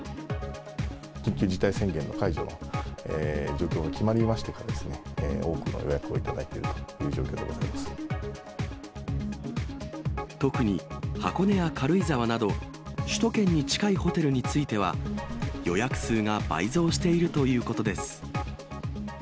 緊急事態宣言の解除の状況が決まりましてから、多くの予約を頂いているという状況でございま特に箱根や軽井沢など、首都圏に近いホテルについては、予約数が倍増しているということです。